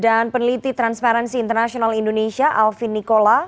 dan peneliti transparansi internasional indonesia alvin nikola